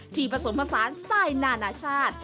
ที่ผสมภาษาสไตล์นานาชาติ